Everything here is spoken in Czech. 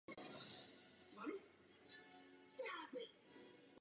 Geostrategický význam moří se značně zvýšil.